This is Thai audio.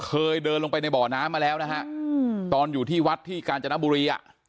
เคยเดินลงไปในบ่อน้ำมาแล้วนะฮะตอนอยู่ที่วัดที่กาญจนบุรีอ่ะ